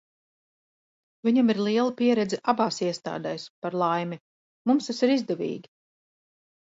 Viņam ir liela pieredze abās iestādēs, par laimi, mums tas ir izdevīgi.